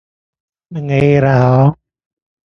ทหารแสดงความจงรักภักดี